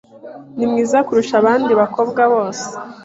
Ni mwiza kurusha abandi bakobwa bose.